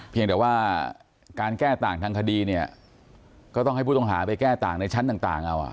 เพียงแต่ว่าการแก้ต่างทางคดีเนี่ยก็ต้องให้ผู้ต้องหาไปแก้ต่างในชั้นต่างเอา